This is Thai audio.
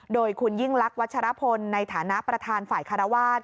โดยคุณยิ่งลักษณวัชรพลในฐานะประธานฝ่ายคารวาส